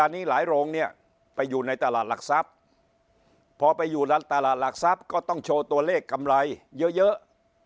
ในตลาดหลักทรัพย์พอไปอยู่ร้านตลาดหลักทรัพย์ก็ต้องโชว์ตัวเลขกำไรเยอะ